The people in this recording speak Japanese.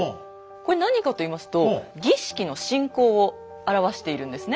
これ何かといいますと儀式の進行を表しているんですね。